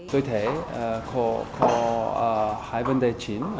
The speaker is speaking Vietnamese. tôi thấy có hai vấn đề chính